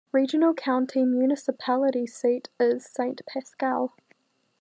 Regional County municipality seat is Saint-Pascal.